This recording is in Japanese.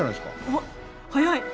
おっ早い！